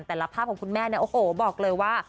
แต่ละภาพของคุณแม่เนี่ยโอ้โหบอกเลยว่า